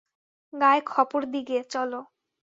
গায়ে খপর দি গে চলো।